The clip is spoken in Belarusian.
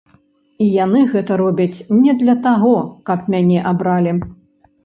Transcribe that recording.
І яны гэта робяць не для таго, каб мяне абралі.